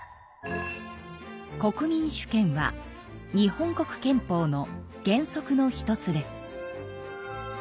国民主権は日本国憲法の原則の１つです。